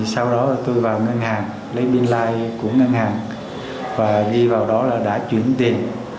sau đó tôi vào ngân hàng lấy biên lai của ngân hàng và đi vào đó là đã chuyển tiền